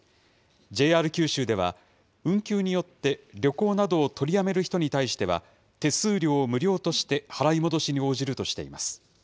ＪＲ九州では、運休によって旅行などを取りやめる人に対しては、手数料を無料として払い戻しに応じるとしています。